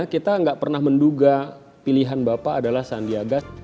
kita gak pernah menduga pilihan bapak adalah sandi agas